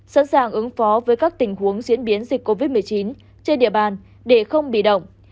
sẵn sàng ứng phó với các tình huống diễn biến dịch covid một mươi chín trên địa bàn để không bị động